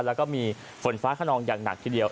แล้วก็มีฝนฟ้าขนองอย่างหนักทีเดียว